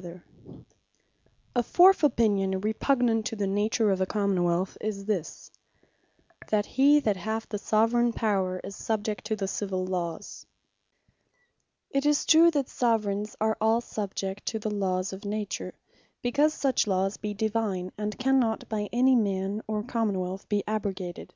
Subjecting The Soveraign Power To Civill Lawes A fourth opinion, repugnant to the nature of a Common wealth, is this, "That he that hath the Soveraign Power, is subject to the Civill Lawes." It is true, that Soveraigns are all subjects to the Lawes of Nature; because such lawes be Divine, and cannot by any man, or Common wealth be abrogated.